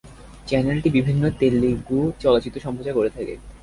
চ্যানেলটি বিভিন্ন তেলুগু চলচ্চিত্র সম্প্রচার করে থাকে।